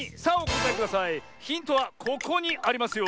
ヒントはここにありますよ。